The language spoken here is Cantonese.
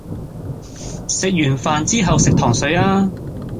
食完飯之後食糖水吖